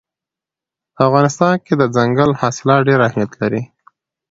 په افغانستان کې دځنګل حاصلات ډېر اهمیت لري.